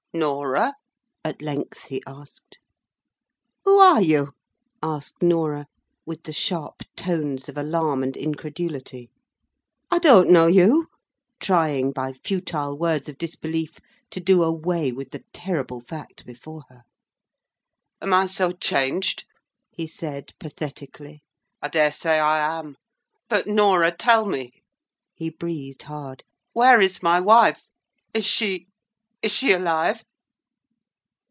"Norah?" at length he asked. "Who are you?" asked Norah, with the sharp tones of alarm and incredulity. "I don't know you:" trying, by futile words of disbelief, to do away with the terrible fact before her. "Am I so changed?" he said, pathetically. "I daresay I am. But, Norah, tell me!" he breathed hard, "where is my wife? Is she—is she alive?"